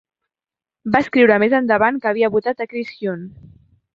Va escriure més endavant que havia votat a Chris Huhne.